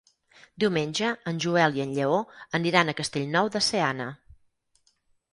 Diumenge en Joel i en Lleó aniran a Castellnou de Seana.